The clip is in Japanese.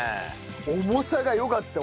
重さがよかったよ。